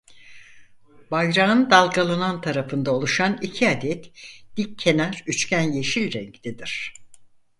Bayrağın dalgalanan tarafında oluşan iki adet dikkenar üçgen yeşil renktedir.